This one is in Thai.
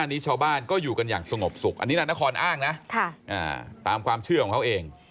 อันนี้ชาวบ้านก็อยู่กันอย่างสงบสุขอันนี้นางนครอ้างนะตามความเชื่อของเขาเอง